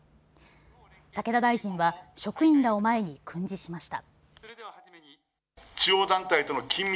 武田大臣は職員らを前に訓示しました。